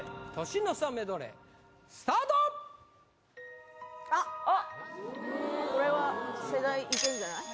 年の差メドレースタートあっあっこれは世代いけるんじゃない？